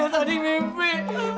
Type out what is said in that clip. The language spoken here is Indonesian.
ayolah tadi mimpi